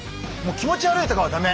気持ち悪いとかはダメ！